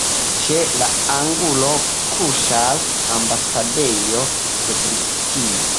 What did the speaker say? Ĉe la angulo kuŝas ambasadejo de Britio.